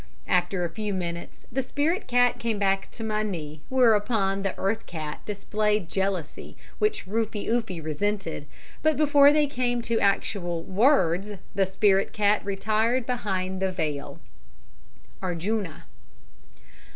After a few minutes the spirit cat came back to my knee, whereupon the earth cat displayed jealousy which Rufie Oofie resented, but before they came to actual "words" the spirit cat retired behind the veil. "ARJÜNA."